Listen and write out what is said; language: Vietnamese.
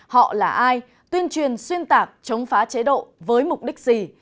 họ là ai tuyên truyền xuyên tạc chống phá chế độ với mục đích gì